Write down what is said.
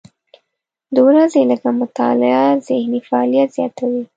د ورځې لږه مطالعه ذهني فعالیت زیاتوي.